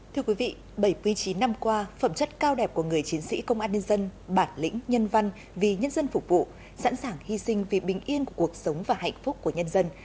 thưa quý vị bảy mươi chín năm qua phẩm chất cao đẹp của người chiến sĩ công an nhân dân bản lĩnh nhân văn vì nhân dân phục vụ sẵn sàng hy sinh vì bình yên của cuộc sống và hạnh phúc của nhân dân